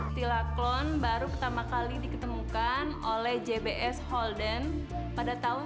stila klon baru pertama kali diketemukan oleh jbs holden pada tahun seribu sembilan ratus enam puluh tiga